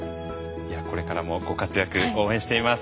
これからもご活躍応援しています。